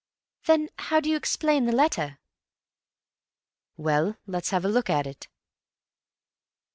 "Then how do you explain the letter?" "Well, let's have a look at it."